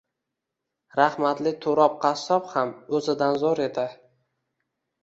Rahmatli Turob qassob ham o‘zidan zo‘r edi.